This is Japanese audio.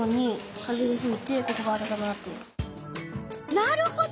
なるほど！